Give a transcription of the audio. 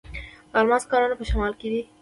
د الماس کانونه په شمال کې دي.